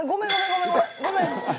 ごめん！